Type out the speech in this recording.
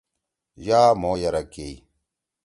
یا مھو یرَک کیئی۔